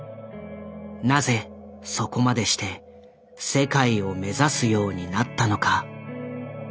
なぜそこまでして世界を目指すようになったのか。